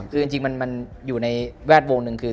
ถือจริงอยู่ในแวดวงนึง